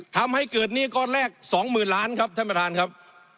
ทำให้เกิดหนี้ก้อนแรก๒๐๐๐ล้านครับท่านประธานครับ